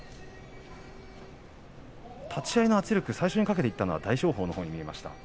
立ち合いの圧力、最初にかけていったのは大翔鵬のほうに見えました。